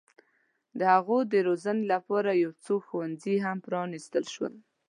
د هغوی د روزنې لپاره یو څو ښوونځي هم پرانستل شول.